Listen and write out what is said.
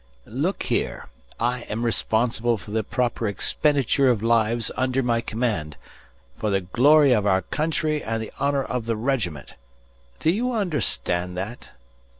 Look here. I am responsible for the proper expenditure of lives under my command for the glory of our country and the honour of the regiment. Do you understand that?